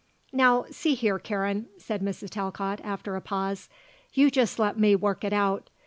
"Now, see here, Karen," said Mrs. Talcott, after a pause, "you just let me work it out.